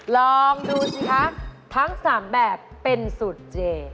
ลองดูสิคะทั้ง๓แบบเป็นสูตรเจ